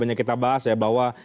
banyak kita bahas ya bahwa